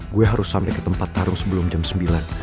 gue harus sampai ke tempat taruh sebelum jam sembilan